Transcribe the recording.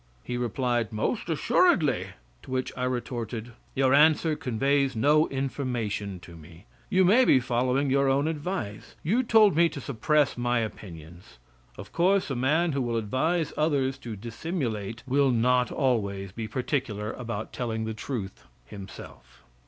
He replied, "Most assuredly." To which I retorted, "Your answer conveys no information to me. You may be following your own advice. You told me to suppress my opinions. Of course a man who will advise others to dissimulate will not always be particular about telling the truth himself."